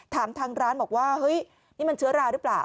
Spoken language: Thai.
ทางร้านบอกว่าเฮ้ยนี่มันเชื้อราหรือเปล่า